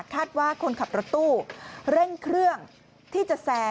คาดว่าคนขับรถตู้เร่งเครื่องที่จะแซง